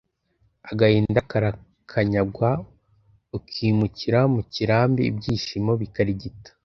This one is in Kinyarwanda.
agahinda karakanyagwa, ukimukira mu kirambi , ibyishimo bikaligita